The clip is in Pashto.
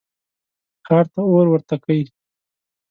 ښار ته اور ورته کئ.